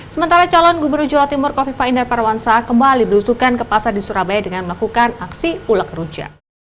sementara calon gubernur jawa timur kofifa inder parwansa kembali berusukan ke pasar di surabaya dengan melakukan aksi ula kerunca